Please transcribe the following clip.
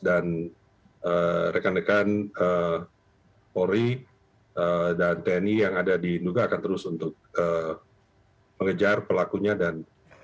dan rekan rekan ori dan tni yang ada di nduga akan terus untuk mengejar pelakunya dan